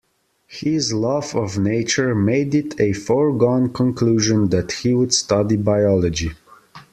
His love of nature made it a foregone conclusion that he would study biology